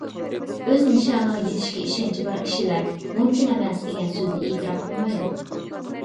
ئۆز نىشانىغا يېتىشكە ئىشەنچى بار كىشىلەر «مۇمكىن ئەمەس» دېگەن سۆزنى ئېتىراپ قىلمايدۇ.